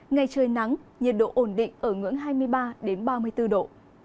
ngày trời nắng nhiệt độ ổn định ở ngưỡng hai mươi ba ba mươi bốn độ